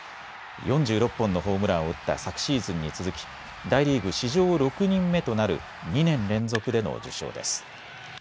４６本のホームランを打った昨シーズンに続き大リーグ史上６人目となる２年連続での受賞です。